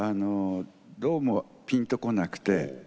どうもピンとこなくて。